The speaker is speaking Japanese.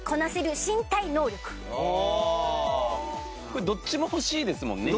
これどっちも欲しいですもんね。